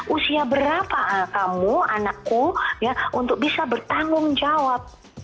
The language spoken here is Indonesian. usia berapa kamu anakku untuk bisa bertanggung jawab